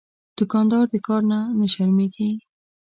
دوکاندار د کار نه شرمېږي.